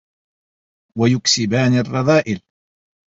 وَيُكْسِبَانِ الرَّذَائِلَ